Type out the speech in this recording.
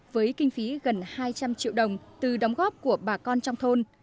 với kinh phí gần hai trăm linh triệu đồng từ đóng góp của bà con trong thôn